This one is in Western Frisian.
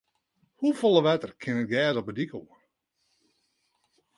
Hoefolle wetter kin it gers op de dyk oan?